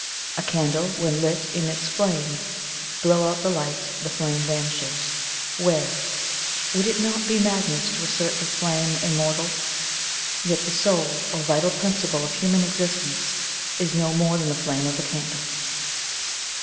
A candle when lit emits flame; blow out the light, the flame vanishes where? Would it not be madness to assert the flame immortal? Yet the soul, or vital principle of human existence, is no more than the flame of a candle."